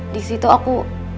di situ aku